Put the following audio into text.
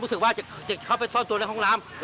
รู้สึกว่าจะเข้าไปซ่อนตัวในห้องน้ำ